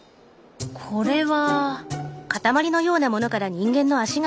これは。